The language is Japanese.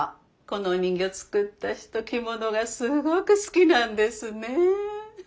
この人形作った人着物がすごく好きなんですね。